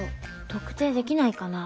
特定できないかな？